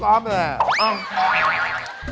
เข้าพี่กอล์ฟไปแล้ว